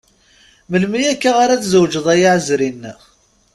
Melmi akka ara tzewǧeḍ ay aɛezri-nneɣ?